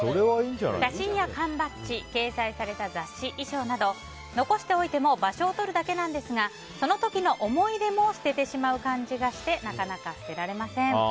写真や缶バッジ、掲載された雑誌衣装など、残しておいても場所を取るだけなんですがその時の思い出も捨ててしまう感じがしてなかなか捨てられません。